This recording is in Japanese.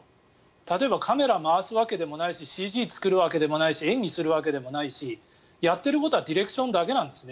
例えばカメラ回すわけでもないしＣＧを作るわけでもないし演技するわけでもないしやってることはディレクションだけなんですね。